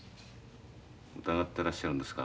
疑ってらっしゃるんですか？